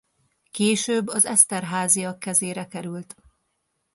Később az Esterházyak kezére került.